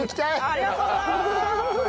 ありがとうございます！